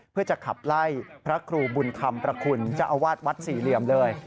เพื่อจะขับไล่พระครูบุญธรรมประคุณเจ้าอาวาสวัดสี่เหลี่ยมเลย